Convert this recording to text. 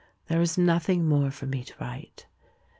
There is nothing more for me to write.